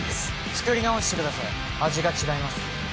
作り直してください味が違います